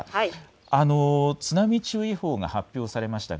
津波注意報が発表されました。